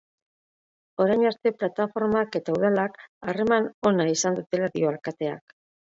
Orain arte plataformak eta udalak harreman ona izan dutela dio alkateak.